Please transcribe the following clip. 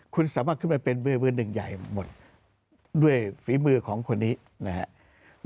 คุณสามารถขึ้นมาเป็นมือหนึ่งใหญ่หมดด้วยฝีมือของคนนี้นะครับ